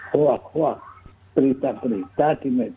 hoak hoak berita berita di media